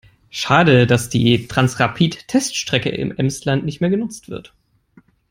Schade, dass die Transrapid-Teststrecke im Emsland nicht mehr genutzt wird.